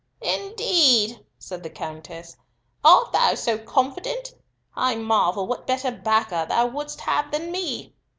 "Indeed!" said the Countess. "Art thou so confident? I marvel what better backer thou wouldst have than me!